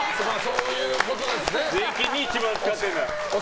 税金に一番使ってるんだ。